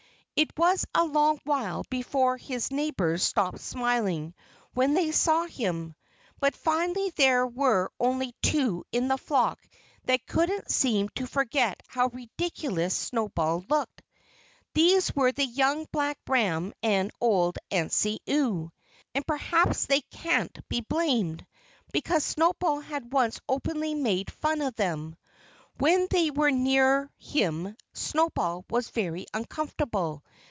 It was a long while before his neighbors stopped smiling when they saw him. But finally there were only two in the flock that couldn't seem to forget how ridiculous Snowball looked. These were the young black ram and old Aunt Nancy Ewe. And perhaps they can't be blamed, because Snowball had once openly made fun of them. When they were near him Snowball was very uncomfortable.